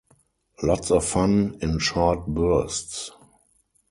Lots of fun - in short bursts.